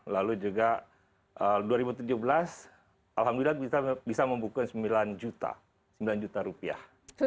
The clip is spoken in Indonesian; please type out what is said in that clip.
lalu juga dua ribu tujuh belas alhamdulillah kita bisa membuka sembilan juta sembilan juta rupiah